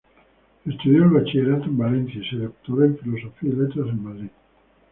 Estudió el bachillerato en Valencia y se doctoró en Filosofía y Letras en Madrid.